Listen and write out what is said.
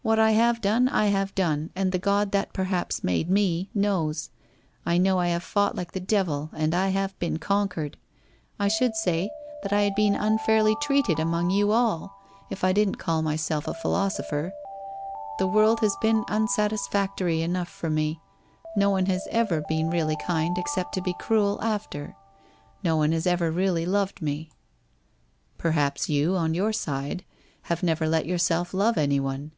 What I have done I have done, and the God that perhaps made me, knows. I know I have fought like the devil and I have been conquered. I should say that I had been unfairly treated among you all, if I WHITE ROSE OF WEARY LEAF 355 didn't call myself a philosopher. The world has been unsat isfactory enough to me. No one has ever been really kind except to be cruel, after. Xo one has ever really loved me/ ' Perhaps you on your side, have never let yourself love anyone.